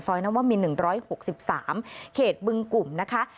ซอยน้ำว่ามีหนึ่งร้อยหกสิบสามเขตบึงกลุ่มนะคะ